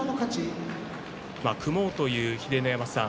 組もうという、秀ノ山さん